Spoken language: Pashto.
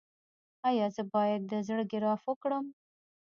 ایا زه باید د زړه ګراف وکړم؟